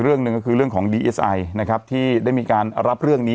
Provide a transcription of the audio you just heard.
เรื่องหนึ่งก็คือเรื่องของดีเอสไอนะครับที่ได้มีการรับเรื่องนี้